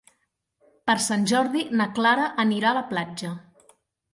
Per Sant Jordi na Clara anirà a la platja.